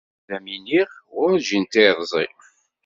Ad am iniɣ warǧin tiṛẓi.